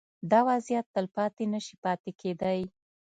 دا وضعیت تلپاتې نه شي پاتې کېدای.